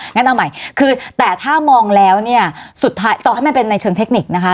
งั้นเอาใหม่คือแต่ถ้ามองแล้วเนี่ยสุดท้ายต่อให้มันเป็นในเชิงเทคนิคนะคะ